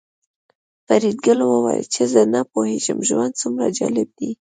فریدګل وویل چې زه نه پوهېږم ژوند څومره جالب دی